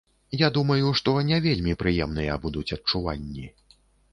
Я думаю, што не вельмі прыемныя будуць адчуванні.